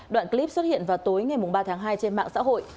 đoạn clip xuất hiện vào tối ngày ba tháng hai trên mạng xã hội